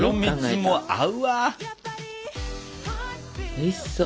おいしそう。